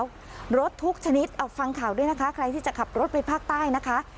แล้วรถทุกชนิดเอาฟังข่าวด้วยนะคะใครที่จะขับรถไปภาคใต้นะคะ